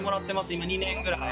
今２年ぐらい。